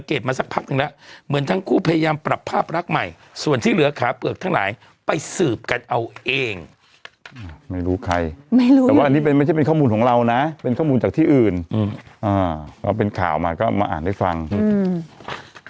ข้อมูลจากที่อื่นอืมอ่าเพราะเป็นข่าวมาก็มาอ่านให้ฟังอืม